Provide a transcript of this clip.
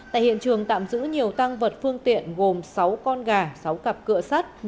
tại hiện trường tạm giữ nhiều tăng vật phương tiện gồm sáu con gà sáu cặp cựa sắt